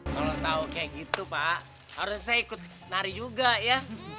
kalo lo tau kayak gitu pak harusnya ikut nari juga ya